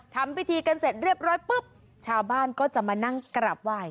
ทำพิธีกันเสร็จเรียบร้อยปุ๊บชาวบ้านก็จะมานั่งกราบไหว้